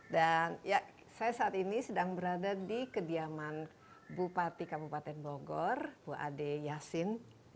dan ya saya saat ini sedang berada di kediaman bupati kabupaten bogor bu ade yasin